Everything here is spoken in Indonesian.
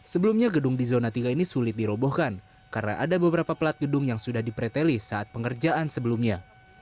sebelumnya gedung di zona tiga ini sulit dirobohkan karena ada beberapa pelat gedung yang sudah dipreteli saat pengerjaan sebelumnya